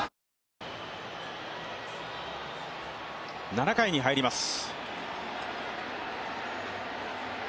７回に入ります。